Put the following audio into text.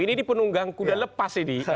ini penunggang kuda lepas ini